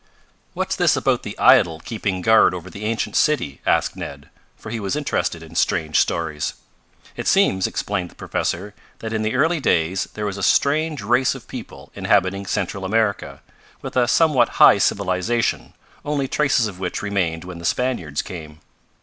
"What's this about the idol keeping guard over the ancient city?" asked Ned, for he was interested in strange stories. "It seems," explained the professor, "that in the early days there was a strange race of people, inhabiting Central America, with a somewhat high civilization, only traces of which remained when the Spaniards came.